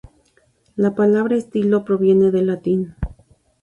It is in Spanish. La palabra estilo proviene del latín.